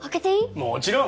もちろん！